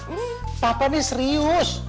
ma papa nih serius